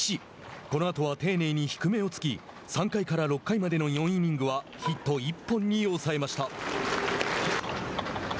このあとは丁寧に低めを突き３回から６回までの４イニングスはヒット１本に抑えました。